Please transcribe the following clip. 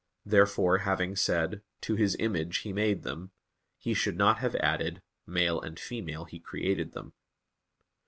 Therefore having said: "To His image He made them," he should not have added, "male and female He created them."